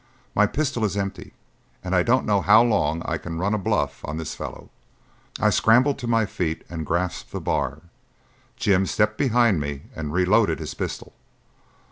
"My pistol is empty and I don't know how long I can run a bluff on this fellow." I scrambled to my feet and grasped the bar. Jim stepped behind me and reloaded his pistol.